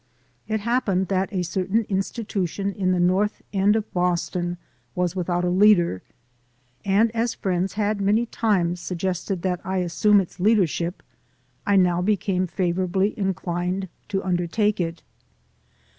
It happened that a certain institution in the North End of Boston was without a leader, and as friends had many times suggested that I assume its leadership, I now became favorably inclined to undertake it.